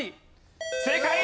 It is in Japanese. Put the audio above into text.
正解！